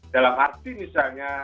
dalam arti misalnya